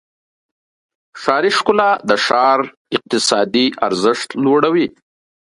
ښاري ښکلا د ښار اقتصادي ارزښت لوړوي.